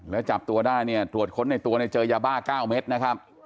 แล้วจับตัวได้เนี่ยตรวจค้นในตัวเนี่ยเจอยาบ้า๙เม็ดนะครับ